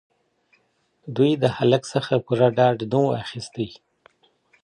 دوی د هلک څخه پوره ډاډ نه وو اخيستی.